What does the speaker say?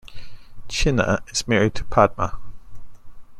Chinna is married to Padma.